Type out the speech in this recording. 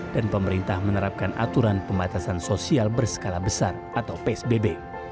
dan pemerintah menerapkan aturan pembatasan sosial berskala besar atau psbb